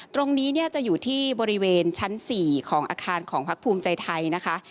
ตรงนี้จะอยู่ที่บริเวณชั้น๔อาคารพักภูมิใจไทยนะคะ